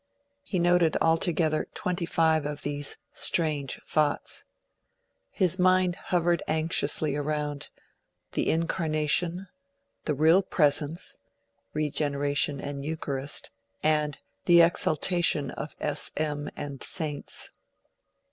He noted altogether twenty five of these 'strange thoughts'. His mind hovered anxiously round (1) The Incarnation, (2) The Real Presence, i. Regeneration, ii. Eucharist, and (3) The Exaltation of S. M. and Saints.